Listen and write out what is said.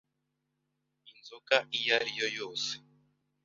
Inzoga iyo ariyo yose